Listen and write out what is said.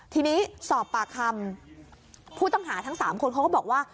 ทีนี้สอบปากคำผู้ต้องหาทั้ง๓คนเขาก็บอกว่า